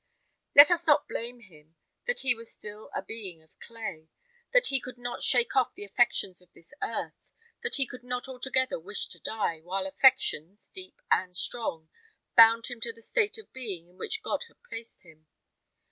Let us not blame him, that he was still a being of clay; that he could not shake off the affections of this earth; that he could not altogether wish to die, while affections, deep and strong, bound him to the state of being in which God had placed him.